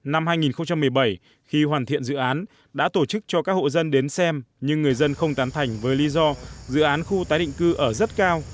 năm hai nghìn một mươi bảy khi hoàn thiện dự án đã tổ chức cho các hộ dân đến xem nhưng người dân không tán thành với lý do dự án khu tái định cư ở rất cao